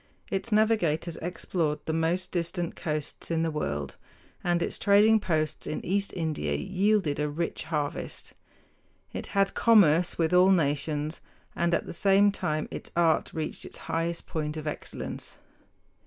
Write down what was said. Its navigators explored the most distant coasts in the world, and its trading posts in East India yielded a rich harvest. It had commerce with all nations, and at the same time its art reached its highest point of excellence.